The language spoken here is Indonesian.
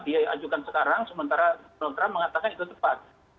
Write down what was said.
dia ajukan sekarang sementara donald trump mengatakan itu tepat